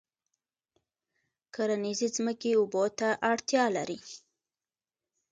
کرنیزې ځمکې اوبو ته اړتیا لري.